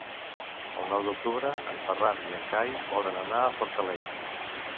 El nou d'octubre en Ferran i en Cai volen anar a Fortaleny.